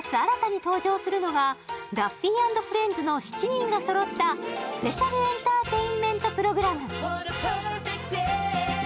この夏新たに登場するのが、ダッフィー＆フレンズの７人がそろったスペシャルエンターテインメントプログラム。